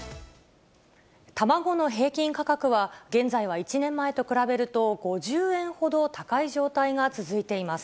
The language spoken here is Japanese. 卵の平均価格は、現在は１年前と比べると５０円ほど高い状態が続いています。